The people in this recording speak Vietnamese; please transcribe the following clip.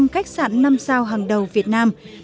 một mươi năm khách sạn năm sao hàng đầu việt nam